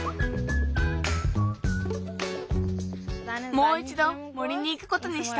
もういちど森にいくことにした。